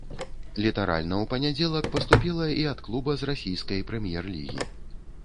Літаральна ў панядзелак паступіла і ад клуба з расійскай прэм'ер-лігі.